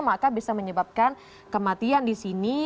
maka bisa menyebabkan kematian di sini